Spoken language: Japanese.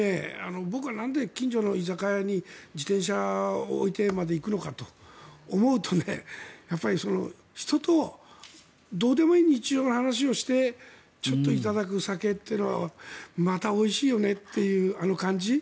僕はなんで近所の居酒屋に自転車を置いてまで行くのかと思うとやっぱり人とどうでもいい日常の話をしてちょっといただく酒というのはまたおいしいよねというあの感じ。